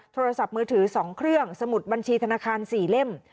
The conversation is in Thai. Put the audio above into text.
โทรศัพท์มือถือ๒เครื่องสมุดบัญชีธนาคาร๔เล่ม